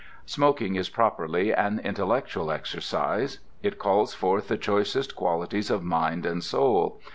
Smoking is properly an intellectual exercise. It calls forth the choicest qualities of mind and soul.